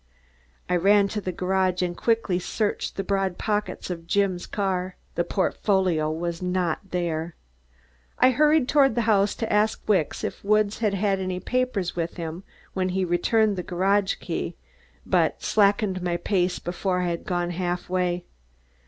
I ran to the garage and quickly searched the broad pockets of Jim's car. The portfolio was not there. I hurried toward the house to ask Wicks if Woods had had any papers with him when he returned the garage key, but slackened my pace before I had gone half way.